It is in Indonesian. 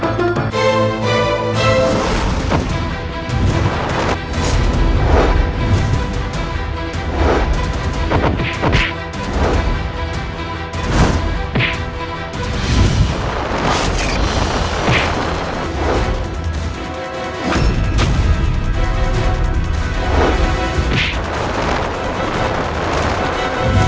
aku akan menangkapmu